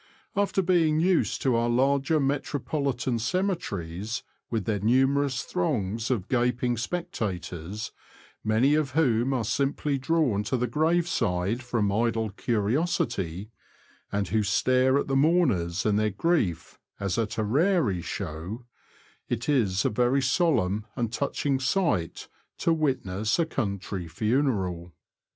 After being used to our larger metropolitan cemeteries, with their numerous throngs of gaping spectators, many of whom are simply drawn to the grave side from idle curiosity, and who stare at the mourners and their grief as at a raree show, it is a very solemn and touching sight to witness a country funeral.